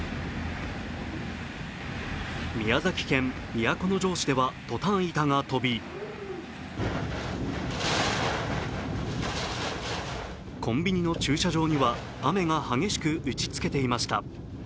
宮崎県都城市ではトタン板が飛びコンビニの駐車場には雨が激しく打ちつけていました。